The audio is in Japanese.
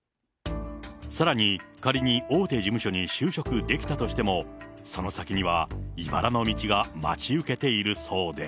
さらに、仮に大手事務所に就職できたとしても、その先にはいばらの道が待ち受けているそうで。